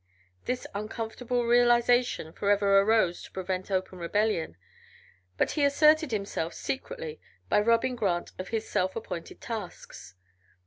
This uncomfortable realization forever arose to prevent open rebellion, but he asserted himself secretly by robbing Grant of his self appointed tasks.